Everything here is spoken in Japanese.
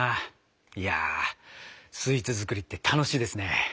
いやスイーツ作りって楽しいですね。